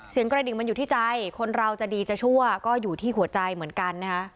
กระดิ่งมันอยู่ที่ใจคนเราจะดีจะชั่วก็อยู่ที่หัวใจเหมือนกันนะคะ